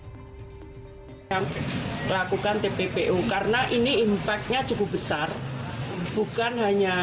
tidak ada yang melakukan tppo karena ini impact nya cukup besar